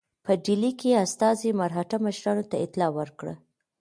په ډهلي کې استازي مرهټه مشرانو ته اطلاع ورکړه.